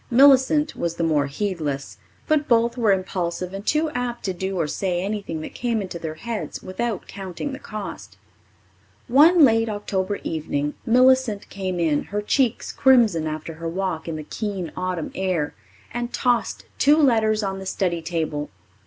Millicent was the more heedless, but both were impulsive and too apt to do or say anything that came into their heads without counting the cost. One late October evening Millicent came in, her cheeks crimson after her walk in the keen autumn air, and tossed two letters on the study table.